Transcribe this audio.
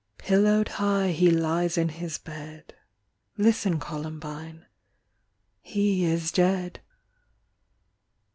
Pillowed high he lies In his bed; Listen, Columbine. "He is dead."